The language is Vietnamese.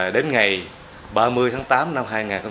đến ngày ba mươi tháng tám năm hai nghìn một mươi chín